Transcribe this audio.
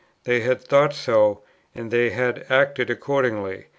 They had thought so, and they had acted accordingly.